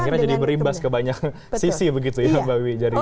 akhirnya jadi berimbas ke banyak sisi begitu ya mbak wiwi